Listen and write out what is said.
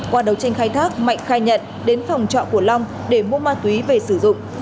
qua đấu tranh khai thác mạnh khai nhận đến phòng trọ của long để mua ma túy về sử dụng